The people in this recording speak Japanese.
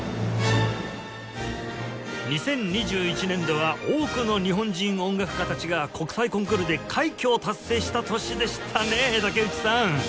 ２０２１年度は多くの日本人音楽家たちが国際コンクールで快挙を達成した年でしたね武内さん！